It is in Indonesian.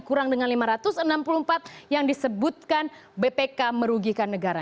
kurang dengan lima ratus enam puluh empat yang disebutkan bpk merugikan negara